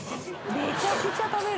めちゃくちゃ食べる。